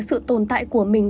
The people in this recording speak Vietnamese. sự tồn tại của mình